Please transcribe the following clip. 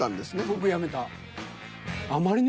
僕やめた。